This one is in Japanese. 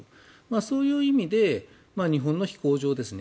そういう意味で日本の飛行場ですね。